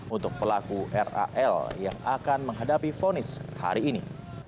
untuk pelaku ral yang akan menghadapi fonis hari ini